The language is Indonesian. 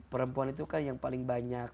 perempuan itu kan yang paling banyak